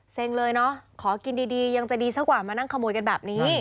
เซ็งเลยนะเขากินดียังจะดีเท่ากว่าน่ะนั่งขโมยกันแบบนี้